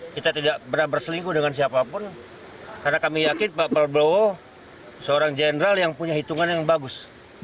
kita tidak pernah berselingkuh dengan siapapun karena kami yakin pak prabowo seorang jenderal yang punya hitungan yang bagus